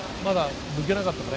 抜けなかったかな。